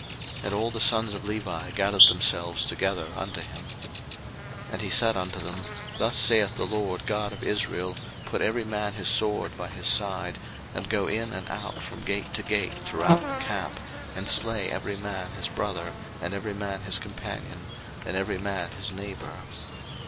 And all the sons of Levi gathered themselves together unto him. 02:032:027 And he said unto them, Thus saith the LORD God of Israel, Put every man his sword by his side, and go in and out from gate to gate throughout the camp, and slay every man his brother, and every man his companion, and every man his neighbour.